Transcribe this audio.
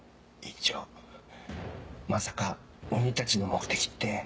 まさか鬼たちの目的って。